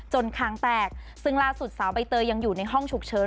คางแตกซึ่งล่าสุดสาวใบเตยยังอยู่ในห้องฉุกเฉิน